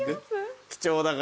貴重だから。